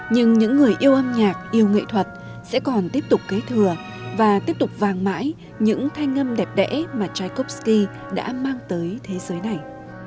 nhưng những người yêu âm nhạc yêu nghệ thuật sẽ còn tiếp tục kế thừa và tiếp tục vàng mãi những thanh âm đẹp đẽ mà tchaikovsky đã mang tới thế giới này